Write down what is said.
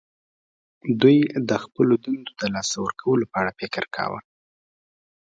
دوی د خپلو دندو د لاسه ورکولو په اړه فکر کاوه